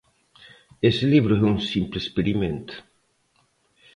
Ese libro é un simple experimento.